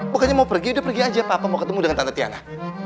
pokoknya mau pergi udah pergi aja pak apa mau ketemu dengan tante tiana